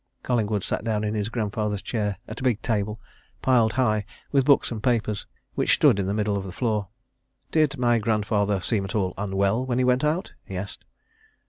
Collingwood sat down in his grandfather's chair, at a big table, piled high with books and papers, which stood in the middle of the floor. "Did my grandfather seem at all unwell when he went out?" he asked.